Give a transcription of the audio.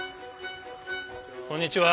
こんにちは。